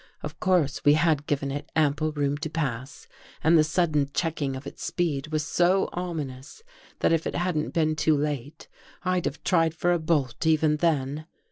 Of course we had given it ample room to pass and the sudden checking of its speed was so ominous that if it hadn't been too late I'd . have tried for a bolt even then.